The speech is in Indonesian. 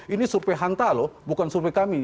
ini survei hanta loh bukan survei kami